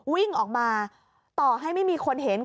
วิ่งออกมาต่อให้ไม่มีคนเห็น